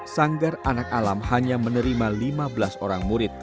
sanggar anak alam hanya menerima lima belas orang murid